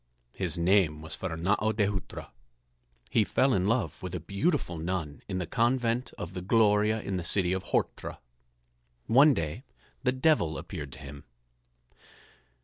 His name was Fernâo de Hutra. He fell in love with a beautiful nun in the convent of the Gloria in the city of Horta. One day the Devil appeared to him.